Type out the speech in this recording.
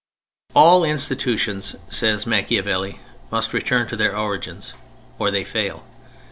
All institutions (says Machiavelli) must return to their origins, or they fail.